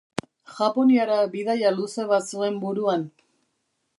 Japoniara bidaia luze bat zuen buruan.